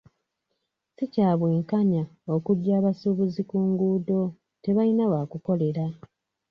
Si kya bwenkanya okuggya abasuubuzi ku nguudo, tebayina waakukolera.